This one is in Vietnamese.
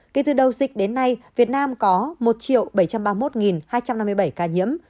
kể từ đầu dịch đến nay việt nam có một bảy trăm ba mươi một hai trăm năm mươi bảy ca nhiễm